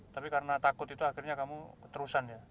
tapi karena takut itu akhirnya kamu keterusan ya